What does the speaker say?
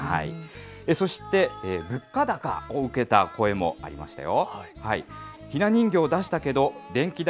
そして物価高を受けた声もありましたよ。